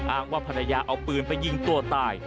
ว่าภรรยาเอาปืนไปยิงตัวตาย